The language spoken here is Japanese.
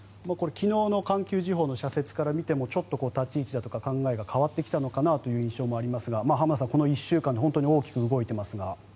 昨日の環球時報の社説から見てもちょっと立ち位置だとか考えが変わってきた印象もありますが浜田さん、この１週間で本当に大きく動いていますが。